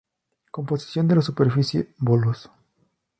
Composición de la superficie: Bolos.